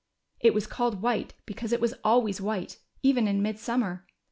It was called white because it was always white even in midsummer.